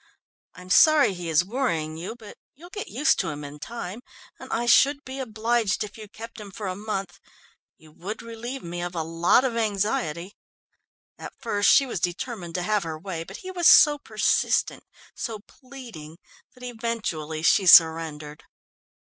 "I'm sorry he is worrying you, but you'll get used to him in time, and I should be obliged if you kept him for a month. You would relieve me of a lot of anxiety." At first she was determined to have her way, but he was so persistent, so pleading, that eventually she surrendered.